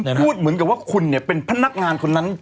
นี่คุณพูดเหมือนกับว่าคุณเป็นพนักงานคนนั้น